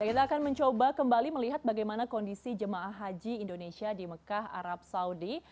kita akan mencoba kembali melihat bagaimana kondisi jemaah haji indonesia di mekah arab saudi